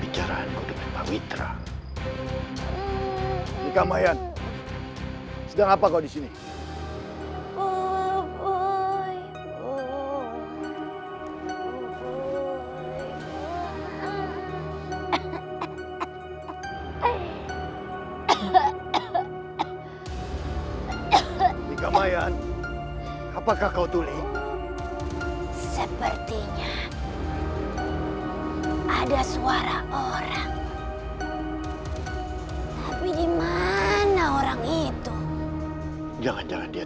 jangan lupa like share dan subscribe